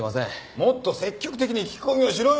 もっと積極的に聞き込みをしろよ！